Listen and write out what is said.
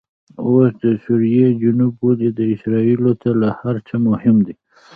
اوس دسوریې جنوب ولې اسرایلو ته له هرڅه مهم دي؟